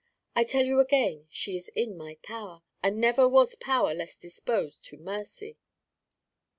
I tell you again she is in my power, and never was power less disposed to mercy."